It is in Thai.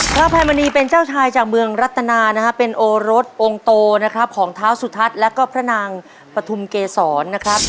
พระอภัยมณีเป็นเจ้าชายจากเมืองรัตนานะฮะเป็นโอรสองค์โตนะครับของเท้าสุทัศน์แล้วก็พระนางปฐุมเกษรนะครับ